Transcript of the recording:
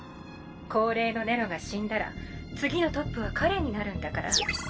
高齢のネロが死んだら次のトップは彼になるんだから。